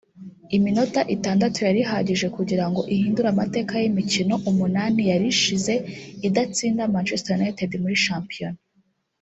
Iminota itandatu yari ihagije kugira ngo ihindure amateka y’imikino umunani yari ishize idatsinda Manchester United muri shampiyona